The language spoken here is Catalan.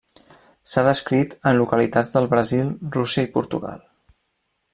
S'ha descrit en localitats del Brasil, Rússia i Portugal.